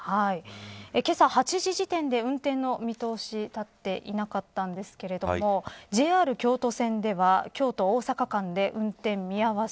けさ８時時点で運転の見通し立っていなかったんですけれどもＪＲ京都線では京都、大阪間で運転見合わせ。